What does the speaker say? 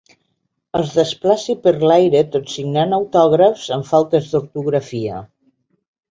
Es desplaci per l'aire tot signant autògrafs amb faltes d'ortografia.